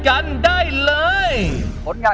เพราะในสายทุกคนเดินผ่าน